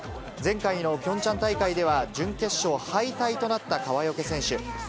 前回のピョンチャン大会では、準決勝敗退となった川除選手。